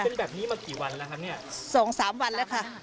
เป็นแบบนี้มากี่วันแล้วครับเนี่ยสองสามวันแล้วค่ะ